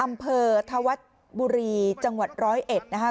อำเภอธวัดบุรีจังหวัดร้อยเอ็ดนะคะ